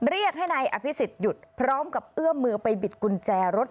เรียกให้นายอภิษฎหยุดพร้อมกับเอื้อมมือไปบิดกุญแจรถ